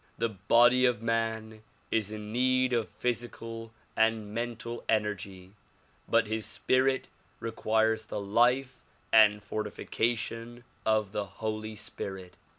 The body of man is in need of physical and mental energy but his spirit requires the life and fortification of the Holy Spirit.